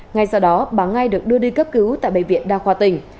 ngay sau đó bà ngay được đưa đi cấp cứu tại bệnh viện đa khoa tỉnh